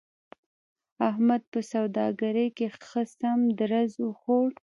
احمد په سوداګرۍ کې ښه سم درز و خوړ.